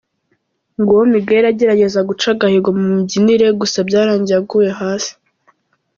Nguwo Miguel agerageza guca agahigo mu mibyinire gusa byarangiye aguye hasi.